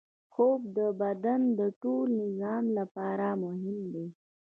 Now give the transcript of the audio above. خوب د بدن د ټول نظام لپاره مهم دی